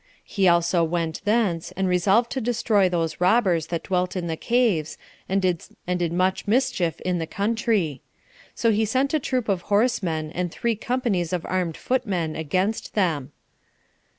He also went thence, and resolved to destroy those robbers that dwelt in the caves, and did much mischief in the country; so he sent a troop of horsemen, and three companies of armed footmen, against them.